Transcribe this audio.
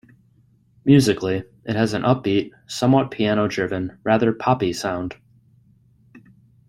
Musically, it has an upbeat, somewhat piano-driven, rather poppy sound.